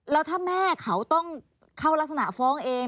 แล้วถ้าแม่เขาต้องเข้ารักษณะฟ้องเอง